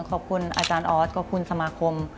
ขอบคุณอาจารย์ออสขอบคุณสมาคม